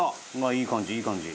いい感じいい感じ。